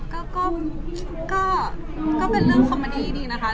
ก็เป็นเรื่องคอมเมอดี้ดีนะคะ